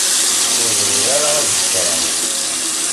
Ur bɣiɣ ara ad xeṣreɣ.